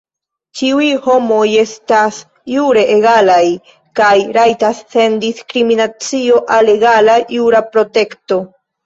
Ĉiuj homoj estas jure egalaj, kaj rajtas sen diskriminacio al egala jura protekto.